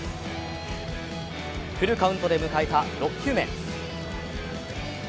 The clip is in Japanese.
フルカウントで迎えた６球目。